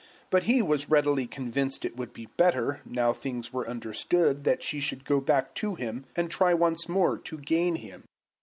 But he was readily convinced it would be better, now things were understood, that she should go back to him, and try once more to gain him.